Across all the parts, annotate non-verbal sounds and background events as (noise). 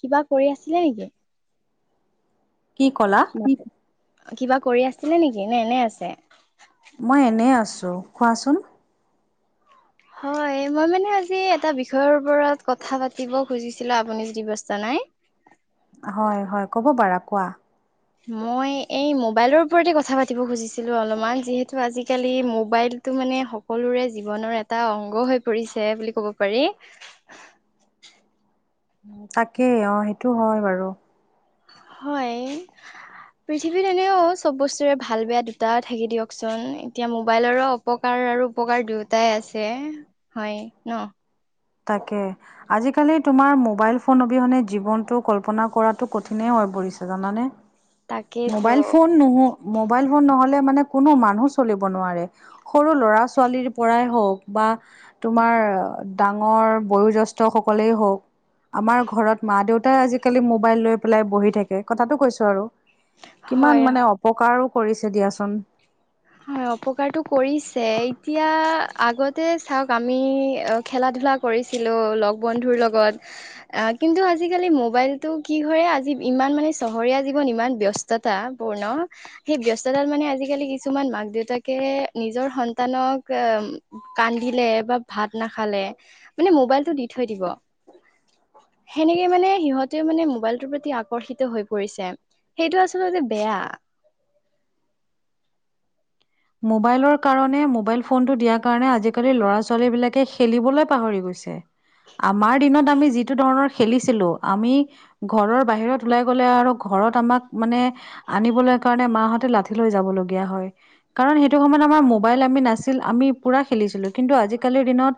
কিবা কৰি আছিলে নেকি? কি কলা? কিবা কৰি আছিলে নেকি নে এনে আছে? মই এনে আছোঁ কোৱাচোন? হয় মই মানে আজি এটা বিষয়ৰ ওপৰত কথা পাতিব খুজিছিলো আপুনি যদি ব্যস্ত নাই? (unintelligible) হয় হয় কব পাৰা কোৱা? মই এই মোবাইলৰ ওপৰতে কথা পাতিব খুজিছিলো অলপমান যিহেতু আজিকালি মোবাইল টো মানে সকলোৰে জীৱনৰ এটা অংগ হৈ পৰিছে বুলি ক'ব পাৰি। তাকেই অ সেইটো হয় বাৰু। হয়। পৃথিৱীত এনেও চব বস্তুৰে ভাল বেয়া দুটা থাকি দিয়কচোন, এতিয়া মোবাইলৰো অপকাৰ আৰু উপকাৰ দুয়োটাই আছে হয় ন তাকে আজিকালি তোমাৰ মোবাইল ফোন অবিহনে জীৱনটো কল্পনা কৰাটো কঠিনেই হৈ পৰিছে জানানে তাকেইতো মোবাইল ফোন ন মোবাইল ফোন নহ'লে মানে কোনো মানুহ চলিব নোৱাৰে সৰু ল'ৰা ছোৱালীৰ পৰাই হওক বা তোমাৰ ডাঙৰ বয়োজ্যেষ্ঠ সকলেই হওক আমাৰ ঘৰত মা দেউতাই আজিকালি মোবাইল লৈ পেলাই বহি থাকে কথাটো কৈছো আৰু হয় কিমান হয়। মানে অপকাৰো কৰিছে দিয়াচোন হয় অপকাৰটো কৰিছে এতিয়া আগতে চাওক আমি খেলা ধূলা কৰিছিলোঁ লগ বন্ধুৰ লগত আজি কালি মোবাইলটো কি হয় আজি ইমান মানে চহৰীয়া জীৱন ইমান ব্যস্ততাপূৰ্ণ সেই ব্যস্ততাত মানে আজিকালি কিছুমান মাক দেউতাকে নিজৰ সন্তানক কান্দিলে বা ভাত নাখালে মানে মোবাইল টো দি থৈ দিব সেনেকে মানে সিহঁতেও মানে মোবাইলটোৰ প্ৰতি আকৰ্ষিত হৈ পৰিছে সেইটো আচলতে বেয়া মোবাইলৰ কাৰণে মোবাইল ফোনতটো দিয়াৰ কাৰণে আজিকালি ল'ৰা ছোৱালী বিলাকে খেলিবলৈ পাহৰি গৈছে ছে আমাৰ দিনত আমি যিটো ধৰণৰ খেলিছিলো আমি ঘৰৰ বাহিৰত ওলাই গ'লে আৰু ঘ ঘৰত আমাক মানে আনিবলৈ কাৰণে মাহঁতে লাঠি লৈ যাব লগীয়া হয় কাৰণ সেইটো সময়ত আমাৰ মোবাইল আমি নাছিল আমি পুৰা খেলিছিলো কিন্তু আজিকালিৰ দিনত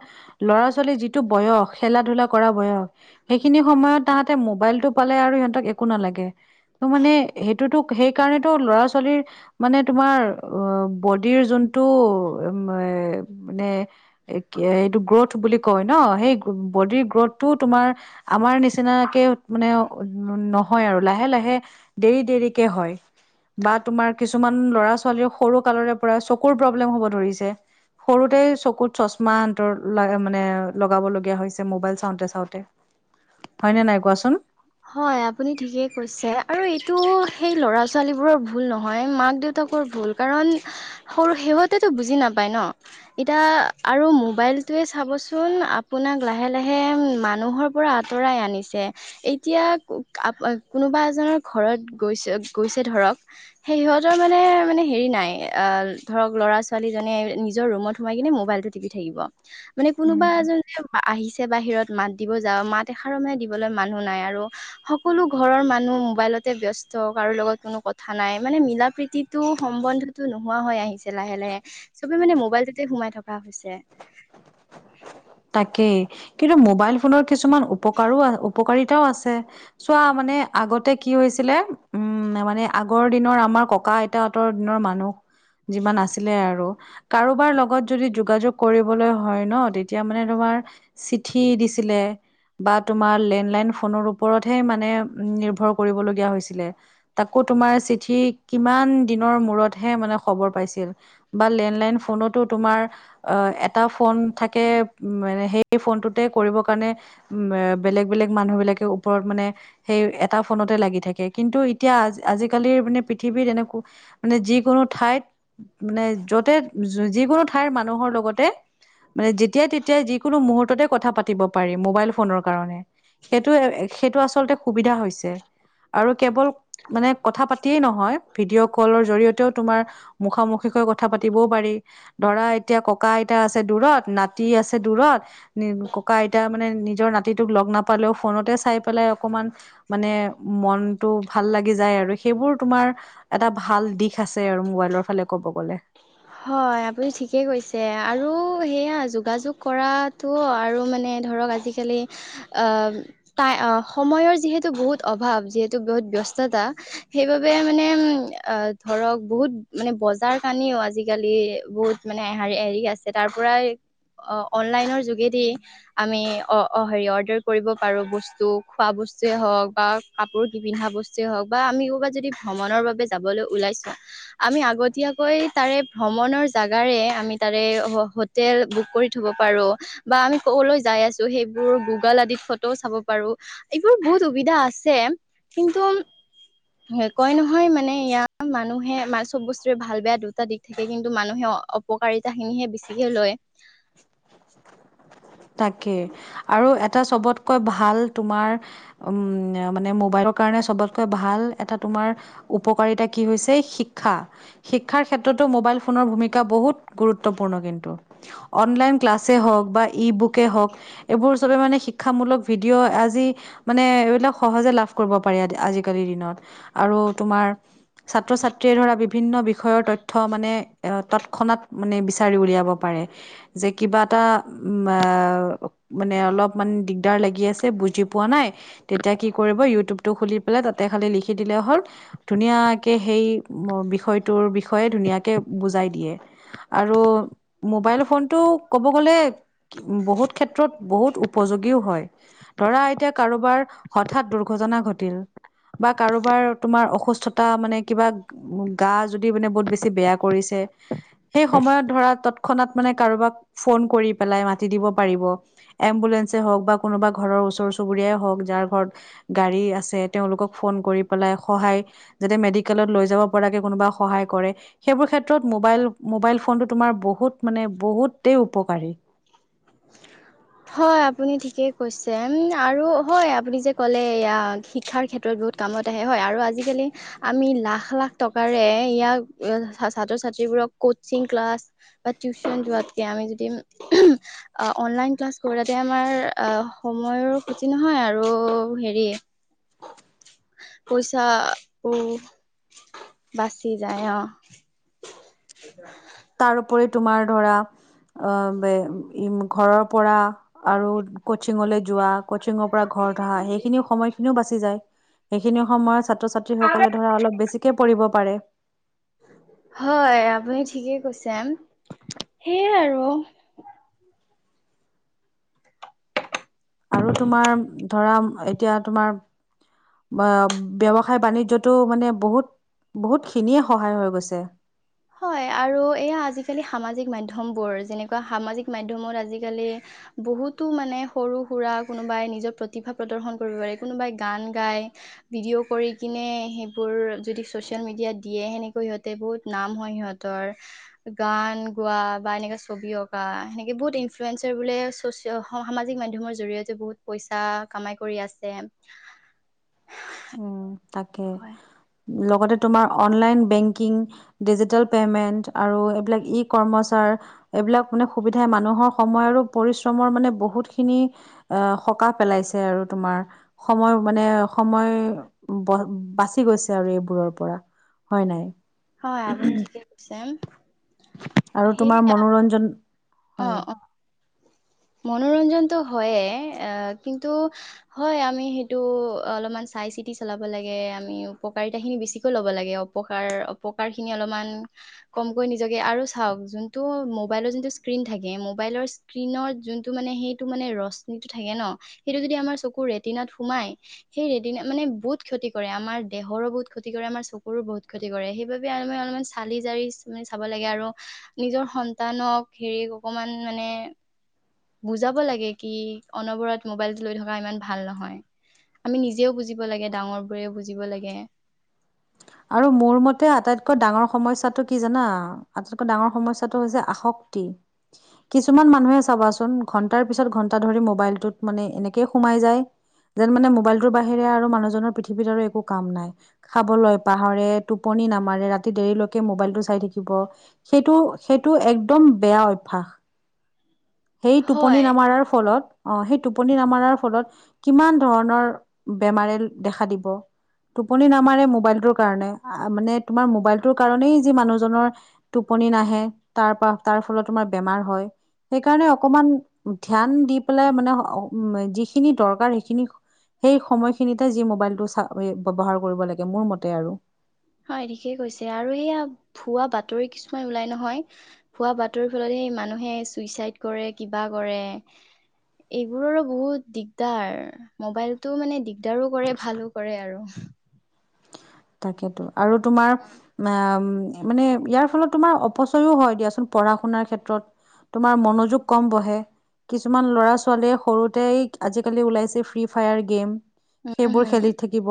ল'ৰা ছোৱালী যিটো বয়স খেলা ধূলা কৰা বয়স সেইখিনি সময়ত তাহ সহতে মোবাইল টো পালে আৰু সিহঁতক একো নালাগে ত মানে সেইটোতো সেইকাৰণেতো ল'ৰা ছোৱালীৰ মানে তোমাৰ অ বডিৰ যোনটো এ মানে এ এইটো গ্ৰথ বুলি কয় ন সেই বডিৰ গ্ৰথটো তোমাৰ আমাৰ নিচিনাকে মানে নহয় আৰু লাহে লাহে দেৰি দেৰিকে হয় বা তোমাৰ কিছুমান ল'ৰা ছোৱালী সৰু কালৰে পৰা চকুৰ প্ৰব্লেম হ'ব ধৰিছে সৰুতে চকুত চচমা- মানে লগাব লগীয়া হৈছে মবাইল চাওঁতে চাওঁতে হয়নে নাই কোৱাচোন। হয় আপুনি ঠিকেই কৈছে আৰু এইটো সেই ল'ৰা ছোৱালী বোৰৰ ভুল নহয় মাক দেউতা কৃষৰ ভূল কাৰণ সৰু সিহঁতেটো বুজি নাপায় ন। সেইটোৱে চাবচোন আপোনাক লাহে লাহে মানুহৰ পৰা আঁতৰাই আনিছে। এতিয়া কোনোবা এজনৰ ঘৰত গৈছে গৈছে ধৰক সেই সিহঁতৰ মানে- মানে হেৰি নাই ধৰক ল'ৰা ছোৱালী জনে নিজৰ ৰুমত সোমাই কিনে মোবাইলটো টিপি থাকিব। মানে কোনোবা উম এজনে আহিছে বাহিৰত মাত দিব যাওঁ মাত এষাৰো মানে দিবলৈ মানুহ নাই আৰু- সকলো ঘৰৰ মানুহ মোবাইলতে ব্যস্ত কাৰো লগত কোনো কথা নাই মানে মিলা প্ৰীতি- টো সম্বন্ধতো নোহোৱা হৈ আহিছে লাহে লাহে চবে মানে মোবাইলটোতে সোমাই থকা হৈছে। (unintelligible) তাকেই কিন্তু মোবাইল ফোনৰ কিছুমান উপকাৰো উপকাৰী- তাও আছে চোৱা মানে আগতে কি হৈছিলে উম মানে- আগৰ দিনৰ আমাৰ ককা আইতাহঁতৰ দিনৰ মানুহ যিমান আছিলে আৰু- কাৰোবাৰ লগত যদি যোগাযোগ কৰিবলৈ হয় ন তেতি- তিয়া মানে তোমাৰ চিঠি দিছিলে। বা তোমাৰ লেণ্ডলাইন ফোনৰ ওপৰতহে মানে উ নিৰ্ভৰ কৰিবলগীয়া হৈছিলে তাকো- তোমাৰ চিঠি কিমান দিনৰ মূৰত মানে খবৰ পাইছিল বা লেণ্ডলন ফোনটো- তোমাৰ এটাও ফৌন থাকি- তে মানে সেই ফোনটোতে কৰিবৰ কাৰণে উ বেলেগ বেলেগ মানুহ বিলাকে ওপৰত মানে- সেই এটা ফোনতে লাগি থাকে কিন্তু এতিয়া আজিকালিৰ মানে পৃথিৱীত এনে মানে যি- যিকোনো ঠাইত মানে যতে যিকোনো ঠাইৰ মানুহৰ লগতে- মানে দিব পাৰি মোবাইল ফোনৰ কাৰনে সেইটো আচলতে সুবিধা হৈছে। আৰু কেৱল মানে কথা পাতিয়েই নহয় হয় ভিডিঅ' কলৰ জৰিয়তেও তোমাৰ মুখা মুখিকৈ কথা পাতিবও পাৰি ধৰা এতিয়া ককা আইতা আছে দূৰত, নাতি আছে দূৰত ককা আইতা মানে নিজৰ নাতিটোক লগ নাপালেওঁ ফোনতে চাই পেলাই- এ অকমান মানে মনতটো ভাল লাগি যায় আৰু সেইবোৰ তোমাৰ এটা ভাল দি দিশ আছে আৰু মোবাইলৰ ফালে ক'ব গ'লে। হয় আপুনি ঠিকে কৈছে আৰু সেয়া যোগাযোগ কৰাটো আৰু মানে ধৰক আজি কালি অহ টাই আহ সময়ৰ যিহেতু বহুত অভাৱ যিহেতু বহুত ব্যস্ত- ৰাস্ততা সেইবাবে মানে ধৰক বহুত মানে বজাৰ কানিও আজি- আজিকালি বহুত মানে হেৰি আছে তাৰ পৰাই অহ অনলাইনৰ যোগেদি আমি অহ অহ হেৰি অৰ্ডাৰ কৰিব পাৰো বস্তু খোৱা বস্তু বস্তুৱে হওঁক বা কাপোৰ কি পিন্ধা বস্তুৱে হওঁক বা আমি কবাত যদি ভ্ৰমণৰ বাবে যাবলৈ ওলাইছো আমি আগতীয়াকৈ তাৰে ভ্ৰমণৰ জাগাৰে আমি তাৰে হোটেল বুক কৰি থব পাৰো বা আমি ক'বলৈ যা- চাই আছো সেইবোৰ গুগল আদি ফটোও চাব পাৰো এইবোৰ বহুত সুবিধা আছে- কিন্তু, হয় কয় নহয় মানে ইয়াৰ মানুহে মা চব বস্তুৰে ভাল বেয়া দুটা দিশ- থাকে কিন্তু মানুহে অপকাৰিতা খিনিহে বেছিকে লয়। তাকে আৰু এটা চবতকৈ ভাল তোমাৰ উম মানে মোবাইল কাৰণে চবতকৈ ভাল এটা তোমাৰ উপকাৰিতা কি হৈছে শিক্ষা শিক্ষাৰ ক্ষেত্ৰত তো মবাইল ফোনৰ ভূমিকা বহুত গুৰুতত্বপূৰ্ন কিন্তু। অনলাইন ক্লাছেই হক বা- ই বুকে হওঁক এইবোৰ চবে মানে শিক্ষামূলক ভিডিঅ' আজি মানে এইবিলাক সহজে লাভ- কৰিব পাৰি আজিকালি দিনত আৰু তোমাৰ- ছাত্ৰ ছাত্ৰীয়ে ধৰা বিভিন্ন বিষয়ৰ তথ্য মানে এ তৎক্ষণাত মানে বিচাৰি উলিয়াব পাৰে। যে কিবা এটা উম এ মানে অলপ মান দিগদাৰ লাগি আছে বুজি পোৱা নাই তেতিয়া কি কৰিব ইউটিউব টো খুলি পেলাই তাতে- তাতে খালি লিখি দিলে হল‌ ধুনীয়াকে সেই বিষয়টোৰ বিষয়ে ধুনীয়াকে বুজাই- শিকাই‌ দিয়ে আৰু মোবাইল ফোনটো ক'ব গ'লে উম বহুত ক্ষেত্ৰত বহুত উপযোগীও হয় ধৰা এইতিয়া কাৰোবাৰ হঠাৎ দুৰ্ঘটনা ঘটিল বা কাৰোবাৰ তোমাৰ অসুস্থতা মানে কিবা গা যদি মানে বহুত বেছি বেয়া কৰিছে সেই সময়ত ধৰা তৎক্ষণাৎ মানে কাৰোবাক ফোন কৰি পেলাই মাতি দিব পাৰিব এম্বুলেঞ্চে হওঁক বা কোনোবা ঘৰৰ ওচৰ চুবুৰীয়াই হওঁক যাৰ ঘৰত গাড়ী আছে তেওঁলোকক ফোন কৰি পেলাই সহায় যাতে মেডিকেলত লৈ যাব পৰাকে কোনোবা সহায় কৰে। সেইবোৰ ক্ষেত্ৰত মোবাইল মোবাইল ফোনটো তোমাৰ বহুত মানে বহুতেই উপকাৰী। হয় আপুনি ঠিকেই কৈছে উম আৰু হয় আপুনি যে ক'লে এয়া শিক্ষাৰ ক্ষেত্ৰত কামত আহে হয় আৰু আজি কালি আমি লাখ লাখ টকাৰে ইয়াক ছাত্ৰ ছাত্ৰী বোৰক কাছিং ক্লাছ তিউচন যোৱা কেইদিন অনলাইন ক্লাছ ঘৰাতে আমাৰ অহ সময়ৰ ক্ষতি নহয় আৰু হেৰি পইচা ও বাচি যায় অহ তাৰোপৰি তোমাৰ ধৰা অহ ঘৰৰ পৰা আৰু কচিংলৈ যোৱা কচিংৰ পৰা ঘৰত অহা সেইখিনিও সময়খিনিও বাছি যায়। সেইখিনি সময়ত ছাত্ৰ ছাত্ৰীসকলে ধৰা অলপ বেছিকে পঢ়িব পাৰে। হয় আপুনি ঠিকেই কৈছে। সেইয়াই আৰু। আৰু তোমাৰ ধৰা এতিয়া তোমাৰ বা ব্যৱসায় বাণিজ্যটো মানে বহুত বহুতখিনিয়ে সহায় হৈ গৈছে। হয় আৰু এয়া আজিকালি সামাজিক মাধ্যমবোৰ যেনেকুৱা সামাজিক মাধ্যমত আজিকালি বহুতো মানে সৰু সুৰা কোনোবাই নিজৰ প্ৰতিভা প্ৰদৰ্শন কৰিব পাৰে কোনোবাই গান গাই ভিডিঅ' কৰি কিনে সেইবোৰ যদি ছচিয়েল মিডিয়াত দিয়ে সেনেকৈ সিহঁতে বহুত নাম হয় সিহঁতৰ। গান গোৱা যেনেকৈ ছবি অঁকা যেনেকৈ বহুত ইন্লুৱেঞ্জা বোৰে সামাজিক মাধ্যমৰ জৰিয়তে বহুত পইচা কামাই কৰি আছে। উম তাকে! হয় লগতে তোমাৰ অনলাইন বেংকিং ডিজিটেল পেমেন্ট আৰু এইবিলাক ই কৰ্মচাৰ এইবিলাক পোৰা সুবিধাই মানুহক সময় আৰু পৰিস্বম মানে বহুতখিনি এ সকাহ পেলাইছে আৰু তোমাৰ সময় মানে সময় বাচি গৈছে আৰু এইবোৰৰ পৰা হয় নাই? হয় আপুনি ঠিকে আছে। আৰু তোমাৰ মনোৰঞ্জন অ হয় অ। মনোৰঞ্জনটো হয় এ কিন্তু আমি সেইটো অলপমান চাই চিটি চলাব লাগে আমি উপকাৰিতা খিনি বেছিকৈ ল'ব লাগে অপকাৰ অপকাৰ খিনি অলপমান কমকৈ নিজকে আৰু চাওক যোনটো মোবাইলৰ যোনটো স্ক্ৰীন থাকে মোবাইলৰ স্ক্ৰীনঅত যোনটো মানে সেইটো মানে ৰশ্মিটো থাকে ন সেইটো যদি আমাৰ চকু ৰেটিনাত সোমাই সেই ৰেদিনাত মানে বহুত ক্ষতি কৰে আমাৰ দেহৰো বহুত ক্ষতি কৰে আমাৰ চকুৰো বহুত ক্ষতি কৰে সেইবাবে আমি অলপমান চালি জাৰি মানে চাব লাগে আৰু নিজৰ সন্তানক হেৰি অকমান মানে বুজাব লাগে কি অনবৰত মোবাইলটো লৈ থকা ইমান ভাল নহয়। আমি নিজেও বুজিব লাগে ডাঙৰ বোৰেও বুজিব লাগে। আৰু মোৰ মতে আটাইতকৈ ডাঙৰ সমস্যাটো কি জানা আটাইতকৈ ডাঙৰ সমস্যাটো হৈছে কিছুমান মানুহে চাবাচোন ঘণ্টা পিছত ঘণ্টা ধৰি মোবাইলটো এনেকে সোমাই যায় যেন মানে মোবাইলটোৰ বাহিৰে আৰু মানুহনৰ পৃথিৱীত আৰু একো কাম নাই। খাবলৈ পাহৰে টোপনি নামাৰে ৰাতি দেৰিলৈকে মোবাইলটো চাই থাকিব সেইটো সেইটো এক্দম বেয়া অভ্যাস। উ! সেই টোপনি নামৰাৰ ফলত অ সেই টোপনি নামাৰাৰ ফলত কিমান ধৰণৰ বেমাৰে দেখা দিব টোপনি নামাৰে মোবাইলটোৰ কাৰণে মানে তোমাৰ মোবাইলটোৰ কাৰণেই যি মানুহজনৰ টোপনি নাহে তাৰ পৰা তাৰ ফলত তোমাৰ বেমাৰ হয় সেইকাৰণে অকমান ধ্যান দি পেলাই মানে যিখিনি দৰকাৰ সেইখিনি সেই সময়খিনিতে যি মোবাইলটো চ ব্যৱহাৰ কৰিব লাগে মোৰ মতে আৰু হয় ঠিকেই কৈছে আৰু সেয়া ভুৱা বাতৰি কিছুমান ওলাই নহয় ভুৱা বাতৰিৰ ফলত স মানুহে চুইচাইদ কৰে কিবা কৰে এইবোৰৰো বহুত দিগদাৰ মোবাইলতটো মানে দিগদাৰো কৰে ভালো কৰে আৰু অ তাকেইেতো আৰু তোমাৰ উম উ মানে ইয়াৰ ফলত তোমাৰ অপচয়ও হয় দিয়াচোন পঢ়া শুনাৰ ক্ষেত্ৰত তোমাৰ মনোযোগ কম বহে কিছুমান ল'ৰা ছোৱালীয়ে সৰুতে আজিকালি ওলাইছে ফ্ৰী ফায়াৰ গেম সেইবোৰ হম খেলি থাকিব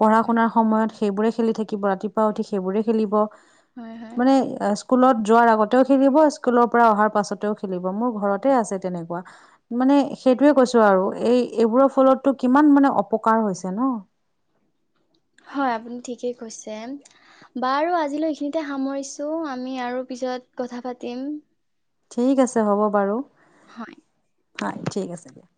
পঢ়া শুনাৰ সময়ত সেইবোৰে খেলি থাকিব ৰাতিপুৱা উঠি সেইবোৰে খেলিব হয় হয় মানে স্কুলত যোৱাৰ আগতেও খেলিব স্কুলৰ পৰা অহাৰ পাছতেও খেলিব মোৰ ঘৰতে আছে তেনেকুৱা ম মানে সেইটোয়ে কৈছো আৰু এই এইবোৰৰ ফলতটো কিমান মানে অপকাৰ হৈছে ন হয় আপুনি ঠিকেই কৈছে বাৰু আজিলৈ এইখিনিতে সামৰিছো আমি আৰু পিছত কথা পাতিম ঠিক আছে হ'ব বাৰু হয়। হয় ঠিক আছে দিয়া